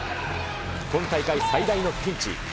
今大会、最大のピンチ。